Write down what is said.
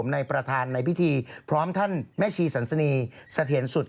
ในประธานในพิธีพร้อมท่านแม่ชีสันสนีเสถียรสุด